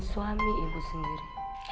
suami ibu sendiri